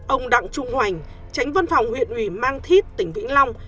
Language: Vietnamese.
ông đặng trung hoành tránh văn phòng huyện ủy mang thít tỉnh vĩnh long